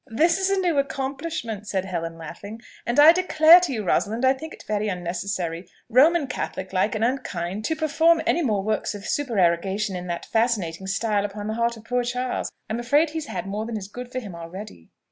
"This is a new accomplishment," said Helen, laughing; "and I declare to you, Rosalind, I think it very unnecessary, Roman Catholic like, and unkind, to perform any more works of supererogation in that fascinating style upon the heart of poor Charles. I am afraid he has had more than is good for him already."